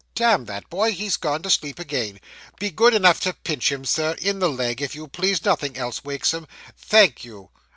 'Damn that boy, he's gone to sleep again. Be good enough to pinch him, sir in the leg, if you please; nothing else wakes him thank you.